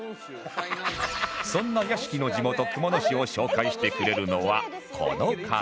そんな屋敷の地元熊野市を紹介してくれるのはこの方